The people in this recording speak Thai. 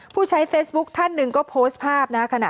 ผู้ใช้เฟซบุ๊คท่านหนึ่งก็โพสต์ภาพนะ